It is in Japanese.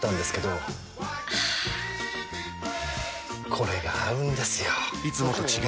これが合うんですよ！